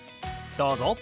どうぞ。